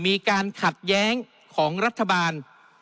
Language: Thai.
มีการขัดแย้งของรัฐบาล